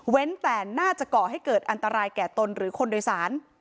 แต่น่าจะก่อให้เกิดอันตรายแก่ตนหรือคนโดยสาร